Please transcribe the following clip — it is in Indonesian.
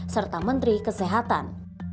serta menteri kesehatan